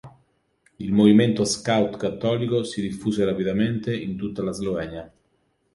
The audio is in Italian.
Il movimento scout cattolico si diffuse rapidamente in tutta la Slovenia.